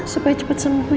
supaya cepat sembuh ya